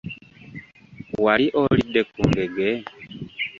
Wali olidde ku ngege?